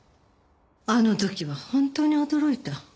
あの時は本当に驚いた。